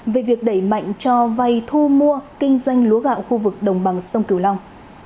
về việc đẩy mạnh cho vay thu mua kinh doanh lúa gạo khu vực đồng bằng sông cửu long